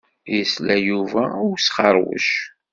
Yesla Yuba i usxeṛwec.